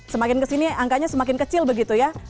semakin ke sini angkanya semakin kecil begitu ya